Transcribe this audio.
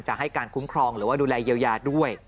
ให้การคุ้มครองหรือว่าดูแลเยียวยาด้วย